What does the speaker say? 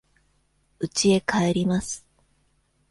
うちへ帰ります。